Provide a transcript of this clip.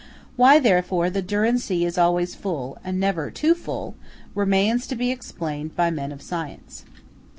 Why, therefore, the Dürren See is always full, and never too full, remains to be explained by men of science.